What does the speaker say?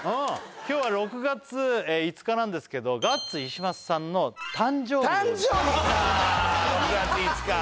今日は６月５日なんですけどガッツ石松さんの誕生日でございます誕生日か！